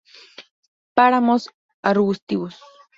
Páramos arbustivos.